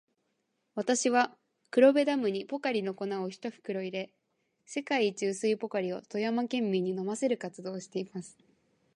私は、黒部ダムにポカリの粉を一袋入れ、世界一薄いポカリを富山県民に飲ませる活動をしています。